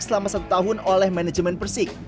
pertama satu tahun oleh manajemen persib